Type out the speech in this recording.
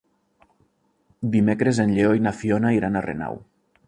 Dimecres en Lleó i na Fiona iran a Renau.